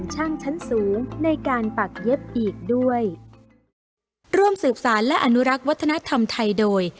ชั้นสูงในการปักเย็บอีกด้วยร่วมสืบสารและอนุรักษ์วัฒนธรรมไทยโดย